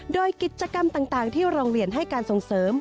โดยกิจกรรมต่างที่โรงเรียนให้การส่งเสริม